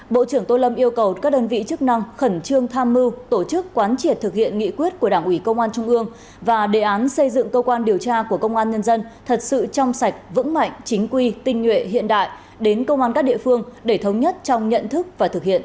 bộ trưởng tô lâm yêu cầu các đơn vị chức năng khẩn trương tham mưu tổ chức quán triệt thực hiện nghị quyết của đảng ủy công an trung ương và đề án xây dựng cơ quan điều tra của công an nhân dân thật sự trong sạch vững mạnh chính quy tinh nhuệ hiện đại đến công an các địa phương để thống nhất trong nhận thức và thực hiện